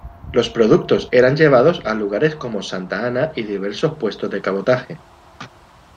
Los productos eran llevados a lugares como Santa Ana y diversos puestos de cabotaje.